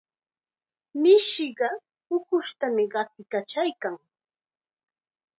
Mishiqa ukushtam qatiykachaykan.